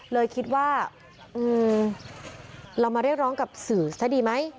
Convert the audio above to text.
เลยคิดว่าเรามาเรียกร้องกับสื่อซะดีไหม